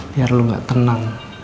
biar lu gak tenang